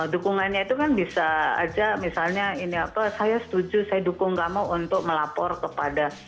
dukungannya itu kan bisa aja misalnya ini apa saya setuju saya dukung kamu untuk melapor kepada